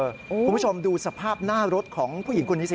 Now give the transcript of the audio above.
คุณผู้ชมดูสภาพหน้ารถของผู้หญิงคนนี้สิ